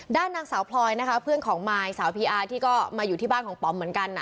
ด้านนางสาวพลอยนะคะเพื่อนของมายสาวพีอาร์ที่ก็มาอยู่ที่บ้านของป๋อมเหมือนกัน